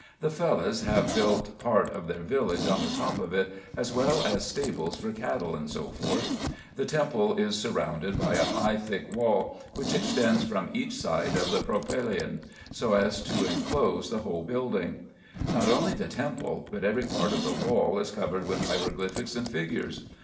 The Fellahs have built part of their village on the top of it, as well as stables for cattle, &c. The temple is surrounded by a high thick wall, which extends from each side of the propylaeon, so as to inclose the whole building. Not only the temple, but every part of the wall, is covered with hieroglyphics and figures.